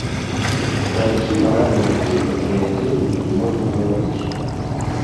Пра які маральны дух і патрыятызм тут можна гаварыць?